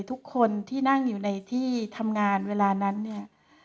ทุกคนที่นั่งอยู่ในที่ทำงานเวลานั้นเนี่ย